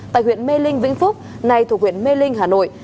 tại huyện mê linh vĩnh phúc nay thuộc huyện mê linh hà nội